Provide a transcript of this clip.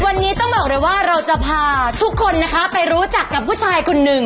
วันนี้ต้องบอกเลยว่าเราจะพาทุกคนนะคะไปรู้จักกับผู้ชายคนหนึ่ง